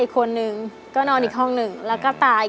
ทั้งในเรื่องของการทำงานเคยทำนานแล้วเกิดปัญหาน้อย